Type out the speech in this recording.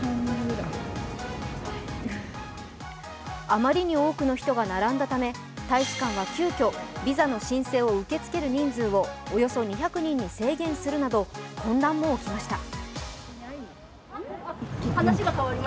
あまりに多くの人が並んだため、大使館は急きょ、ビザの申請を受け付ける人数をおよそ２００人に制限するなど混乱も起きました。